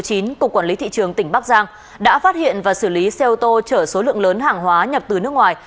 cục quản lý thị trường tỉnh bắc giang đã phát hiện và xử lý xe ô tô chở số lượng lớn hàng hóa nhập từ nước ngoài